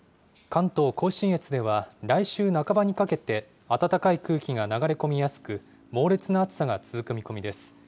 関東甲信越では来週半ばにかけて、暖かい空気が流れ込みやすく、猛烈な暑さが続く見込みです。